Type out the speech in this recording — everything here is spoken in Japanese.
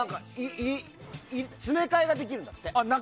詰め替えができるんだって。